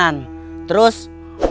mau pegang terminal lagi